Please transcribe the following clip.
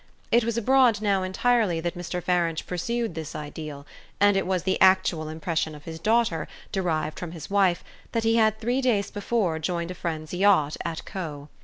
It was abroad now entirely that Mr. Farange pursued this ideal, and it was the actual impression of his daughter, derived from his wife, that he had three days before joined a friend's yacht at Cowes.